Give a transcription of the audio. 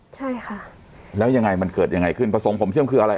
ใช่ค่ะแล้วยังไงมันเกิดยังไงขึ้นประสงค์ผมเชื่อมคืออะไร